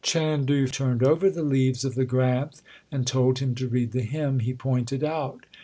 Chandu turned over the leaves of the Granth and told him to read the hymn he pointed out.